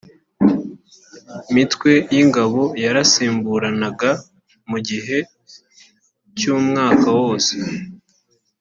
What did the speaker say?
mitwe y ingabo yarasimburanaga mu gihe cy umwaka wose